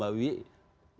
terutama sistem kepartaiannya